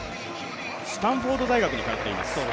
スタンフォード大学に通っています。